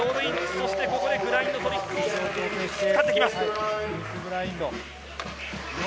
そしてグラインドトリックを使ってきます。